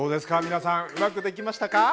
皆さんうまくできましたか？